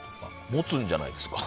持つんじゃないですか？